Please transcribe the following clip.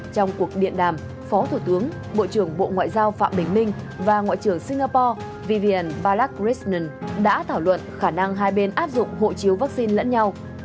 trong cuộc điện đàm phó thủ tướng bộ trưởng bộ ngoại giao phạm bình minh và ngoại trưởng singapore vivian valak risnon đã thảo luận khả năng hai bên áp dụng hộ chiếu vaccine lẫn nhau